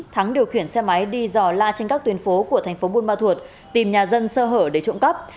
thắng điều khiển xe máy đi dò la trên các tuyến phố của thành phố buôn ma thuột tìm nhà dân sơ hở để trộm cắp